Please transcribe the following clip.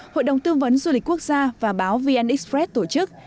hội đồng tư vấn du lịch quốc gia và báo vn express tổ chức